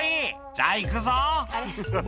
「じゃあいくぞ」